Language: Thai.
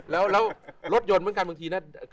แล้วรถยนต์เหมือนกันบางทีนะ